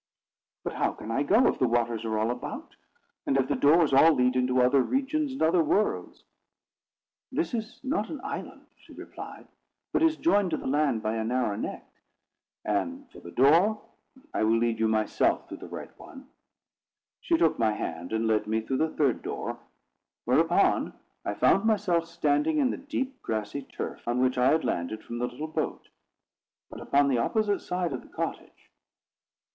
"But how can I go, if the waters are all about, and if the doors all lead into other regions and other worlds?" "This is not an island," she replied; "but is joined to the land by a narrow neck; and for the door, I will lead you myself through the right one." She took my hand, and led me through the third door; whereupon I found myself standing in the deep grassy turf on which I had landed from the little boat, but upon the opposite side of the cottage.